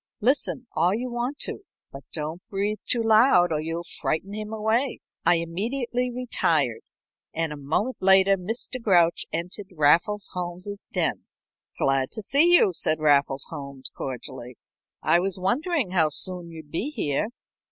Listen all you want to, but don't breathe too loud or you'll frighten him away." I immediately retired, and a moment later Mr. Grouch entered Raffles Holmes's den. "Glad to see you," said Raffles Holmes, cordially. "I was wondering how soon you'd be here."